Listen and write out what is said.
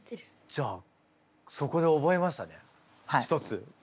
じゃあそこで覚えましたね一つ。